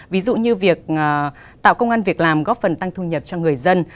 ví dụ như việc tạo công an việc làm góp phần tăng thu nhập cho người dân